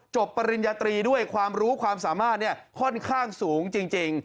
ปริญญาตรีด้วยความรู้ความสามารถค่อนข้างสูงจริง